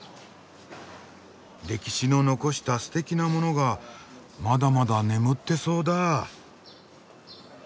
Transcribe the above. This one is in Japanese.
歴史の残したすてきなものがまだまだ眠ってそうだ。